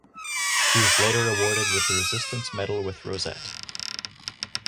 He was later awarded the Resistance Medal with rosette.